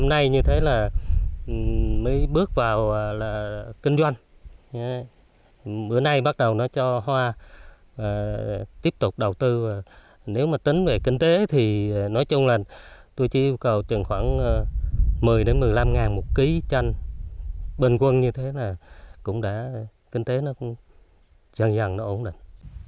một mươi một mươi năm ngàn một ký tranh bình quân như thế là cũng đã kinh tế nó cũng dần dần nó ổn định